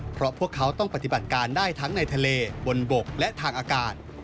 เพราะพวกเขาต้องปฏิบัติการได้ทั้งในทะเลบนบกและทางอากาศ